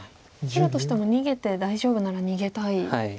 白としても逃げて大丈夫なら逃げたいですよね。